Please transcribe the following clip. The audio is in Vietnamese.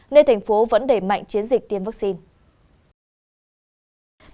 nên tp hcm vẫn đẩy mạnh chiến dịch tiêm vaccine